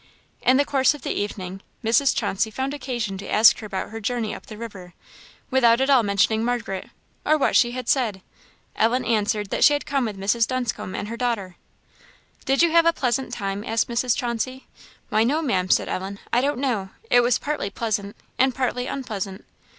In the course of the evening, Mrs. Chauncey found occasion to ask her about her journey up the river, without at all mentioning Margaret, or what she had said. Ellen answered that she had come with Mrs. Dunscombe and her daughter. "Did you have a pleasant time?" asked Mrs. Chauncey. "Why, no, Ma'am." Said Ellen "I don't know it was partly pleasant, and partly unpleasant."